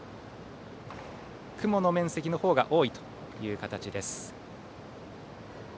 雲の面積の方が多いという形です。